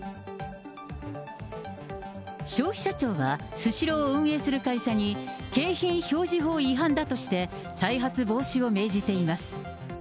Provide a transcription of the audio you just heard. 消費者庁は、スシローを運営する会社に、景品表示法違反だとして、再発防止を命じています。